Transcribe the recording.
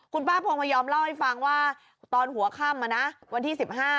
คุณป้าพงพยอมเล่าให้ฟังว่าตอนหัวค่ำวันที่๑๕